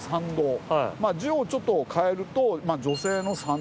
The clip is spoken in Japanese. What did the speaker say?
字をちょっと変えると。